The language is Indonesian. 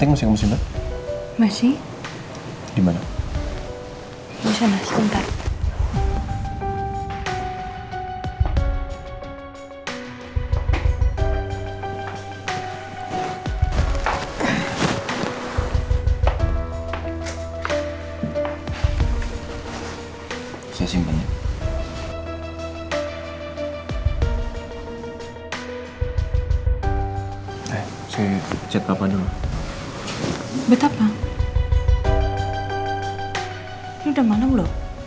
masih yang papa juga udah tidur